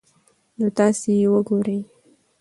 نو تاسي ئې وګورئ